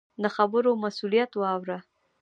د خبرو مسؤلیت واوره.